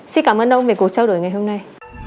xin cảm ơn ông về cuộc trao đổi ngày hôm nay